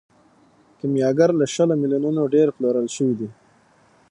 کیمیاګر له شلو میلیونو ډیر پلورل شوی دی.